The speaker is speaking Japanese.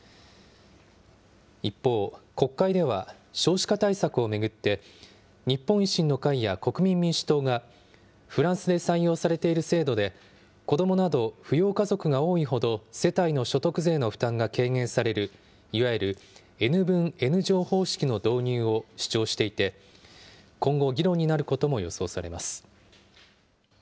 一方、国会では少子化対策を巡って、日本維新の会や国民民主党が、フランスで採用されている制度で、子どもなど扶養家族が多いほど、世帯の所得税の負担が軽減される、いわゆるＮ分Ｎ乗方式の導入を主張していて、今後、議論になることも予想されます。